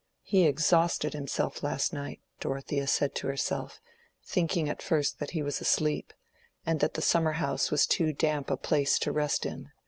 "He exhausted himself last night," Dorothea said to herself, thinking at first that he was asleep, and that the summer house was too damp a place to rest in.